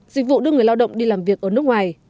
dịch vụ đưa người lao động đi làm việc ở nước ngoài